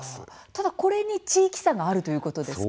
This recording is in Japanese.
ただ、これに地域差があるということですか？